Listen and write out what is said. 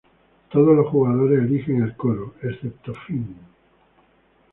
Todos los jugadores eligen el coro, excepto Finn.